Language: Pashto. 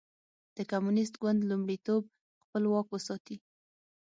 د کمونېست ګوند لومړیتوب خپل واک وساتي.